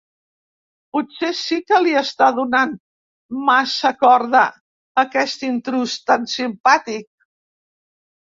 Potser sí que li està donant massa corda a aquest intrús tan simpàtic.